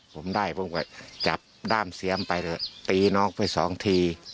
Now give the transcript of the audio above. ผมได้ผมก็จับด้ามเสียมไปเถอะตีน้องไปสองที